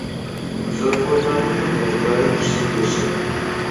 زۆر خۆت ماندوو مەکە، دوایێ پشتت دێشێ.